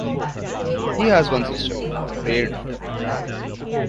He has one sister, Prerana.